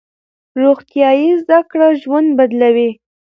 روغتیايي زده کړې ژوند بدلوي.